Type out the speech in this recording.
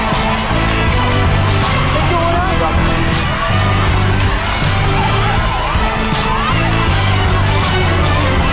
ทำให้ทุกคนได้ยินดูดิลูก